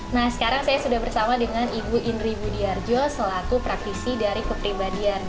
nah sekarang saya sudah bersama dengan ibu indri budiarjo selaku praktisi dari kepribadian